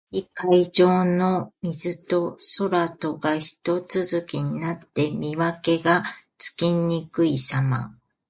遠い海上の水と空とがひと続きになって、見分けがつきにくいさま。